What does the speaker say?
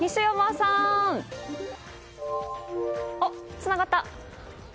つながった。